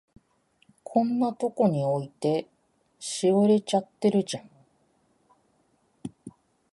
こんなとこに置いて、しおれちゃってるじゃん。